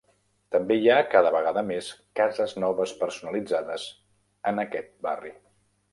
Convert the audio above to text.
També hi ha cada vegada més cases noves personalitzades en aquest barri.